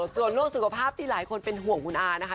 ส่วนเรื่องสุขภาพที่หลายคนเป็นห่วงคุณอานะคะ